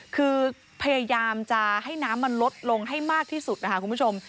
คือพยายามจะให้น้ำมันลดลงให้มากที่สุดนะคะคุณผู้ชม